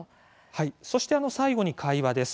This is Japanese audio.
はいそして最後に会話です。